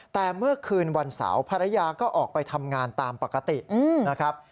แต่เมื่อคืนวันเสาร์ภรรยาก็ออกไปทำงานตามปกตินะครับ